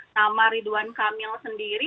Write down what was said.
sama ritwan kamil sendiri